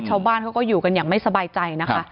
ชาวบ้านเขาก็อยู่กันอย่างไม่สบายใจนะคะ